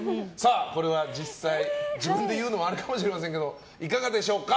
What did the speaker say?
これは実際、自分で言うのもあれかもしれませんけどいかがでしょうか。